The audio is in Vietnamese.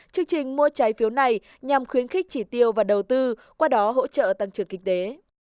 chương trình mua trái phiếu này nhằm khuyến khích chỉ tiêu và đầu tư qua đó hỗ trợ tăng trưởng kinh tế